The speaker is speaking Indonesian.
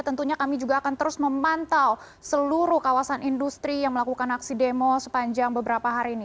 tentunya kami juga akan terus memantau seluruh kawasan industri yang melakukan aksi demo sepanjang beberapa hari ini